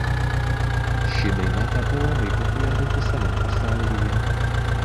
Ši daina tapo labai populiari visame pasaulyje.